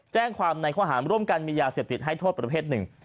แจ้งความในข้อหารร่วมกันมียาเสพติดให้โทษประเภทหนึ่ง